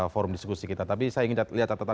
forum diskusi kita tapi saya ingin lihat catatan